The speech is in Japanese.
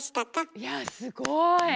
いやすごい！